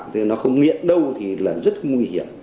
thế nó không nghiện đâu thì là rất nguy hiểm